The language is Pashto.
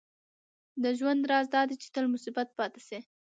• د ژوند راز دا دی چې تل مثبت پاتې شې.